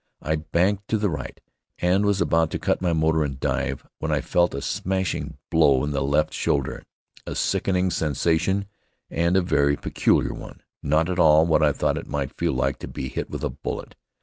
I banked to the right, and was about to cut my motor and dive, when I felt a smashing blow in the left shoulder. A sickening sensation and a very peculiar one, not at all what I thought it might feel like to be hit with a bullet.